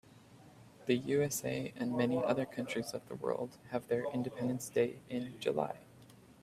The USA and many other countries of the world have their independence day in July.